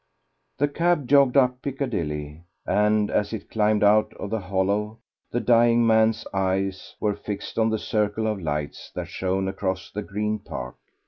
The cab jogged up Piccadilly, and as it climbed out of the hollow the dying man's eyes were fixed on the circle of lights that shone across the Green Park.